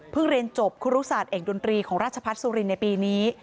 เพิ่งเรียนจบครูรุษาตร์แอ่งดนตรีของราชภัทรสุรินในปีนี้